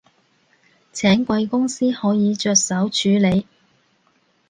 請貴公司可以着手處理